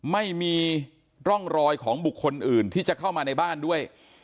ไม่มีร่องรอยของบุคคลอื่นที่จะเข้ามาในบ้านด้วย